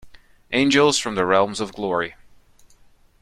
Angels from the realms of glory.